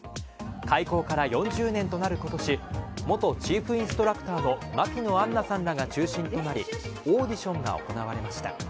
開校から４０年となる今年元チーフインストラクターの牧野アンナさんらが中心となりオーディションが行われました。